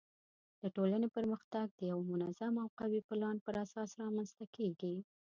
د ټولنې پرمختګ د یوه منظم او قوي پلان پر اساس رامنځته کیږي.